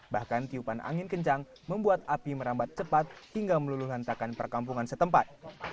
bahkan tiupan angin kencang membuat api merambat cepat hingga meluluhantakan perkampungan setempat